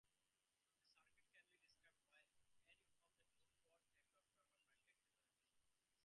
The circuit can be described by any of the two-port network parameter matrix representations.